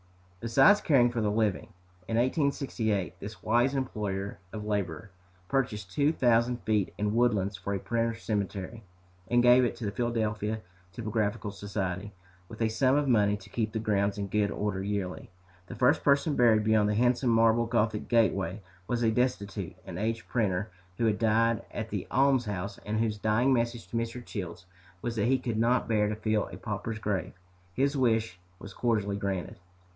Besides caring for the living, in 1868 this wise employer of labor purchased two thousand feet in Woodlands for a printers' cemetery, and gave it to the Philadelphia Typographical Society, with a sum of money to keep the grounds in good order yearly. The first person buried beyond the handsome marble gothic gateway was a destitute and aged printer who had died at the almshouse and whose dying message to Mr. Childs was that he could not bear to fill a pauper's grave. His wish was cordially granted.